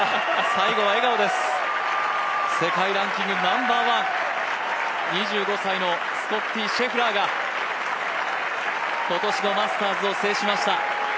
最後は笑顔です、世界ランキングナンバーワン、２５歳のスコッティ・シェフラーが今年のマスターズを制しました。